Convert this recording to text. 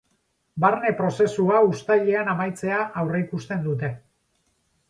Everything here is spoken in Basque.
Barne prozesua uztailean amaitzea aurreikusten dute.